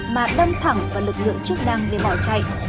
mà đâm thẳng vào lực lượng chức năng để bỏ chạy